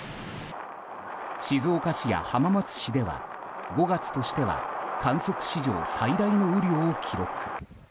静岡市や浜松市では５月としては観測史上最大の雨量を記録。